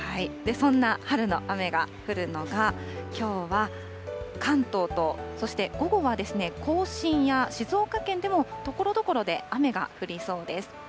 そんな春の雨が降るのが、きょうは関東と、そして午後は甲信や静岡県でもところどころで雨が降りそうです。